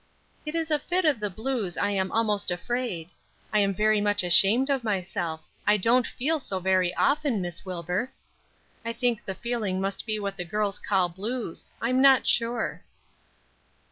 "It is a fit of the blues, I am almost afraid. I am very much ashamed of myself; I don't feel so very often, Miss Wilbur. I think the feeling must be what the girls call blues; I am not sure."